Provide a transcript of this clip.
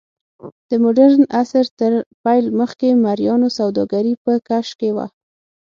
د موډرن عصر تر پیل مخکې مریانو سوداګري په کش کې وه.